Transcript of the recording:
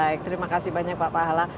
baik terima kasih banyak pak pahala